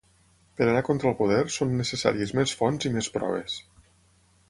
Per anar contra el poder són necessàries més fonts i més proves.